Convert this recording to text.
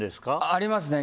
ありますね。